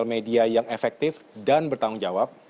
kita memiliki media sosial yang efektif dan bertanggung jawab